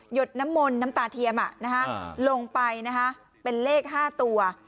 ดน้ำมนต์น้ำตาเทียมลงไปเป็นเลข๕ตัว